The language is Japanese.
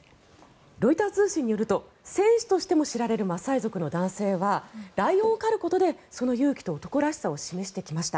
ロイター通信によると選手としても知られるマサイ族の男性はライオンを狩ることでその勇気と男らしさを示してきました。